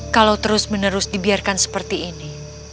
kalau terus menerus dibiarkan seperti ini